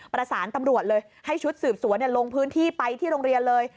ประสานตำรวจเลยให้ชุดสืบสวนลงพื้นที่ไปที่โรงเรียนเลย